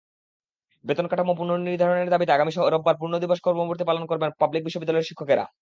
বেতন কাঠামো পুনর্নির্ধারণের দাবিতে আগামী রোববার পূর্ণদিবস কর্মবিরতি পালন করবেন পাবলিক বিশ্ববিদ্যালয়ের শিক্ষকেরা।